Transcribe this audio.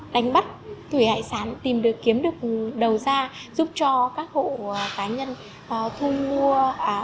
đánh bắt thủy hải sản tìm được kiếm được đầu ra giúp cho các hộ cá nhân thu mua